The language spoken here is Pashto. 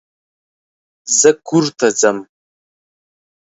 زه کورته ځم